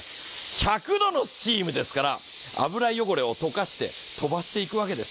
１００度のスチームですから油汚れを溶かして飛ばしていくわけです。